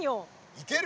いける？